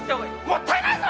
もったいないぞ！